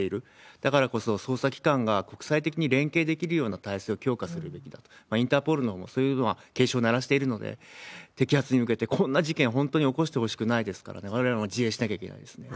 だからこそ、捜査機関が国際的に連携できるような体制を強化するべきだと、インターポールもそういうのは警鐘を鳴らしているので、摘発に向けて、こんな事件、本当に起こしてほしくないですからね、われわれも自衛しなきゃいけないですね。